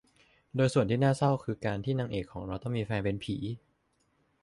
โดยส่วนที่น่าเศร้าคือการที่นางเอกของเราต้องมีแฟนเป็นผี